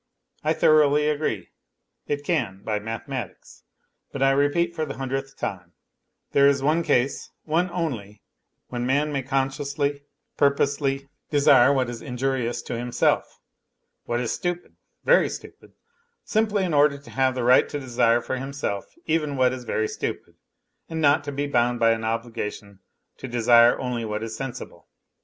I thoroughly agree, it can by mathematics. But I repeat for the hundredth time, there is one case, one only, when man may consciously, purposely, desire what is injurious to himself, what is stupid, very stupid simply In order to have the right to desire for himself even what is very stupid and not to be bound by an obligation to desire only what is sensible.